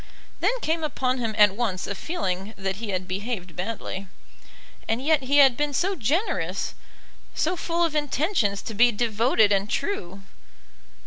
Then came upon him at once a feeling that he had behaved badly; and yet he had been so generous, so full of intentions to be devoted and true!